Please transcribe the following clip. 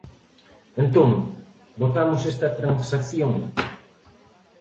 Entón, votamos esta transacción.